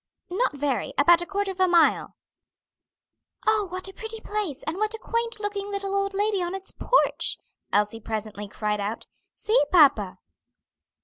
"Not very; about a quarter of a mile." "Oh, what a pretty place, and what a quaint looking little old lady on its porch!" Elsie presently cried out. "See, papa!"